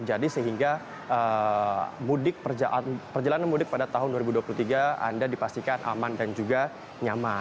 jadi sehingga perjalanan mudik pada tahun dua ribu dua puluh tiga anda dipastikan aman dan juga nyaman